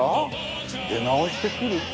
出直してくるって。